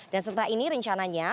dan setelah ini rencananya